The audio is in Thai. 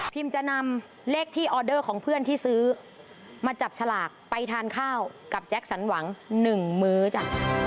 จะนำเลขที่ออเดอร์ของเพื่อนที่ซื้อมาจับฉลากไปทานข้าวกับแจ็คสันหวัง๑มื้อจ้ะ